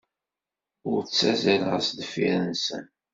Ur ttazzaleɣ sdeffir-nsen.